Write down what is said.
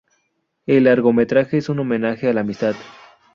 El largometraje es un homenaje a la amistad.